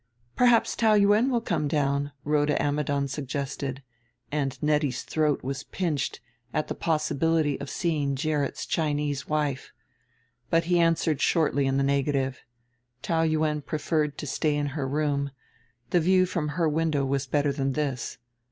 "Perhaps Taou Yuen will come down," Rhoda Ammidon suggested, and Nettie's throat was pinched at the possibility of seeing Gerrit's Chinese wife. But he answered shortly in the negative. Taou Yuen preferred to stay in her room; the view from her window was better than this.